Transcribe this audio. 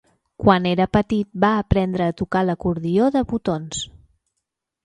Quan era petit, va aprendre a tocar l'acordió de botons.